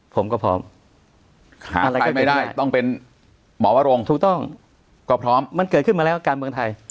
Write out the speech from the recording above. ผมก็พร้อมอะไรก็ได้ไม่ได้ต้องเป็นหมอวรงก็พร้อมมันเกิดขึ้นมาแล้วกันเมืองไทย